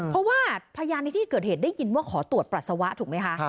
เพราะว่าพยานในที่เกิดเหตุได้ยินว่าขอตรวจปัสสาวะถูกไหมคะ